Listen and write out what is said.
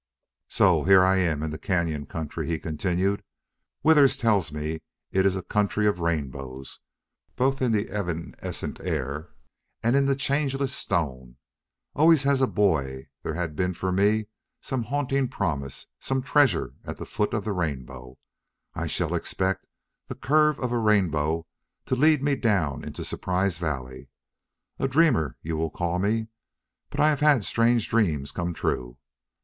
"So here I am in the cañon country," he continued. "Withers tells me it is a country of rainbows, both in the evanescent air and in the changeless stone. Always as a boy there had been for me some haunting promise, some treasure at the foot of the rainbow. I shall expect the curve of a rainbow to lead me down into Surprise Valley. A dreamer, you will call me. But I have had strange dreams come true....